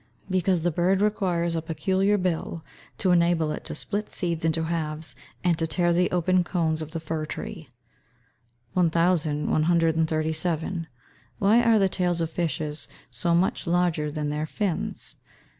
_ Because the bird requires a peculiar bill, to enable it to split seeds into halves, and to tear the open cones of the fir tree. 1137. _Why are the tails of fishes so much larger than their fins?